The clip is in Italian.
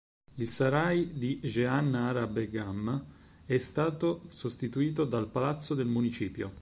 Il Sarai di Jehan Ara Begum è stato sostituito dal palazzo del municipio.